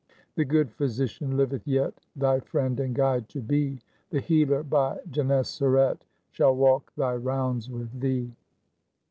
The good physician liveth yet Thy friend and guide to be, The Healer by Gennesaret Shall walk thy rounds with thee.'"